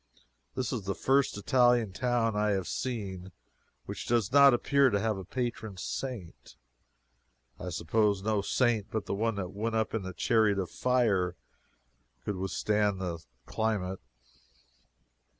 This is the first Italian town I have seen which does not appear to have a patron saint. I suppose no saint but the one that went up in the chariot of fire could stand the climate.